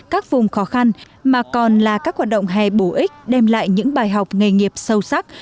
các vùng khó khăn mà còn là các hoạt động hè bổ ích đem lại những bài học nghề nghiệp sâu sắc